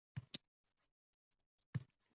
Endi ich-ichimdan xursandman qandaydir.